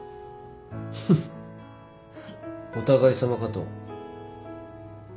フフッお互いさまかと。